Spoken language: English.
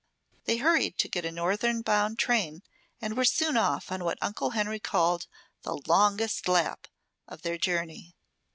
They hurried to get a northern bound train and were soon off on what Uncle Henry called the "longest lap" of their journey.